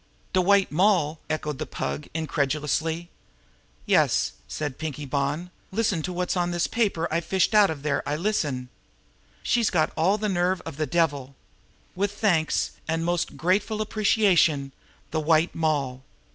"De White Moll!" echoed the Pug incredulously. "Yes," said Pinkie Bonn. "Listen to what's on this paper that I fished out of there I Listen! She's got all the nerve of the devil! 'With thanks, and my most grateful appreciation the White Moll.'"